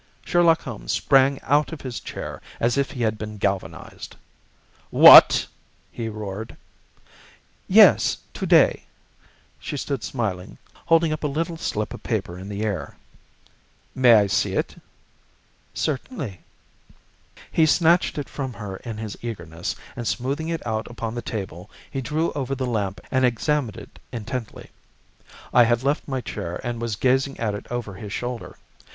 Sherlock Holmes sprang out of his chair as if he had been galvanised. "What!" he roared. "Yes, to day." She stood smiling, holding up a little slip of paper in the air. "May I see it?" "Certainly." He snatched it from her in his eagerness, and smoothing it out upon the table he drew over the lamp and examined it intently. I had left my chair and was gazing at it over his shoulder.